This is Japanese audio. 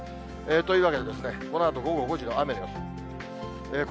というわけで、このあと午後５時の雨の様子。